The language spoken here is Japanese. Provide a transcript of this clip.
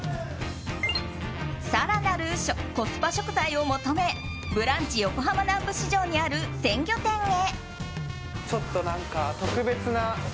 更なるコスパ食材を求めブランチ横浜南部市場にある鮮魚店へ。